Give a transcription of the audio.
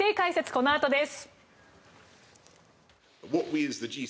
このあとです。